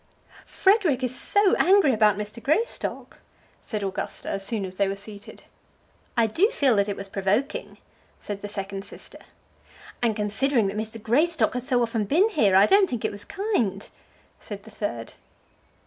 "Frederic is so angry about Mr. Greystock," said Augusta, as soon as they were seated. "I do feel that it was provoking," said the second sister. "And considering that Mr. Greystock has so often been here, I don't think it was kind," said the third.